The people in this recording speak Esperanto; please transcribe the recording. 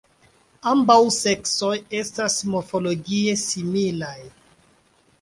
Ambaŭ seksoj estas morfologie similaj.